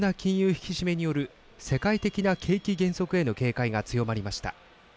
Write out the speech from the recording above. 引き締めによる世界的な景気減速への警戒が強まりました。